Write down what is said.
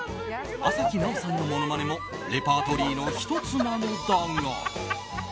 朝日奈央さんのモノマネもレパートリーの１つなのだが。